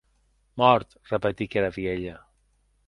Mòrt!, repetic era vielha.